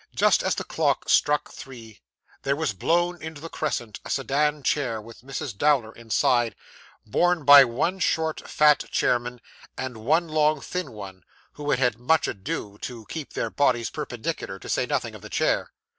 Just as the clock struck three, there was blown into the crescent a sedan chair with Mrs. Dowler inside, borne by one short, fat chairman, and one long, thin one, who had had much ado to keep their bodies perpendicular: to say nothing of the chair.